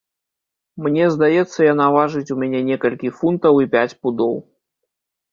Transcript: Мне здаецца, яна важыць у мяне некалькі фунтаў і пяць пудоў.